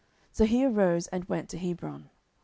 So he arose, and went to Hebron.